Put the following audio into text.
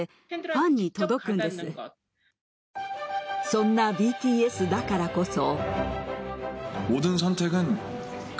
そんなＢＴＳだからこそ。